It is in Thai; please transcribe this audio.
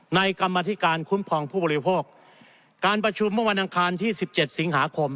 กรรมธิการคุ้มครองผู้บริโภคการประชุมเมื่อวันอังคารที่สิบเจ็ดสิงหาคม